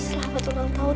selamat ulang tahun